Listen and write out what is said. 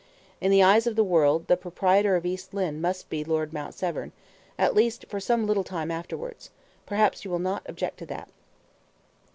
In the eyes of the world, the proprietor of East Lynne must be Lord Mount Severn at least for some little time afterwards. Perhaps you will not object to that."